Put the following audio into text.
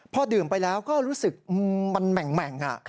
พอดื่มไปแล้วก็รู้สึกมันแหม่ง